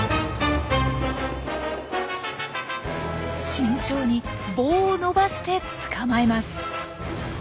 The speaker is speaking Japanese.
慎重に棒を伸ばして捕まえます。